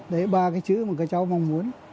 đấy ba cái chữ mà các cháu mong muốn